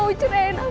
kau mau cedain aku